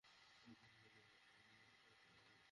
তুমি তো ওখানে অবজারভেশন হোমের কথা উল্লেখ করেছিলে।